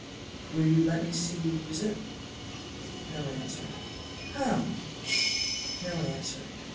"Will you let me see you use it?" No answer. "Come!" No answer.